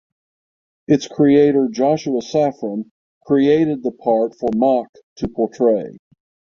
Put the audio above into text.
Its creator Joshua Safran created the part for Mock to portray.